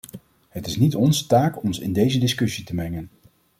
Het is niet onze taak ons in deze discussie te mengen.